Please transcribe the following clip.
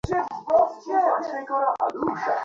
রাডারে তো কিছু দেখা যাচ্ছে না।